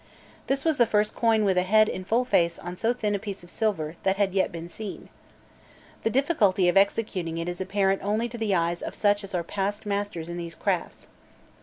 This was the first coin with a head in full face on so thin a piece of silver that had yet been seen. The difficulty of executing it is apparent only to the eyes of such as are past masters in these crafts.